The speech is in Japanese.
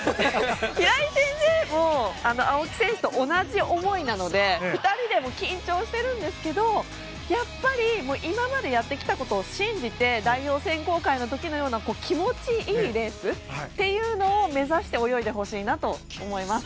平井先生も青木選手と同じ思いなので２人で緊張してるんですけど今までやってきたことを信じて代表選考会の時のような気持ちいいレースを目指して泳いでほしいなと思います。